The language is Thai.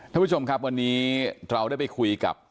ท่านผู้ชมครับวันนี้เราได้ไปคุยกับ